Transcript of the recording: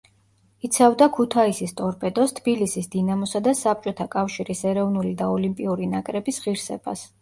იცავდა ქუთაისის „ტორპედოს“, თბილისის „დინამოსა“ და საბჭოთა კავშირის ეროვნული და ოლიმპიური ნაკრების ღირსებას.